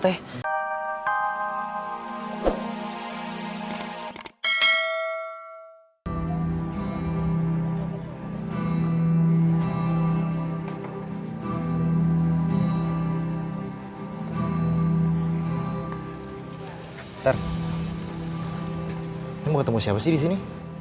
ini mau ketemu siapa sih disini